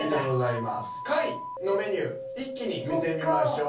下位のメニュー一気に見てみましょう。